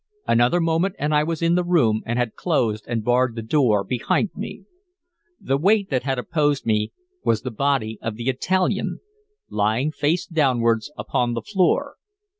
Another moment, and I was in the room, and had closed and barred the door behind me. The weight that had opposed me was the body of the Italian, lying face downwards, upon the floor.